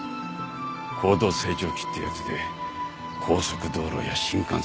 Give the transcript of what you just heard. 高度成長期ってやつで高速道路や新幹線も作ってた。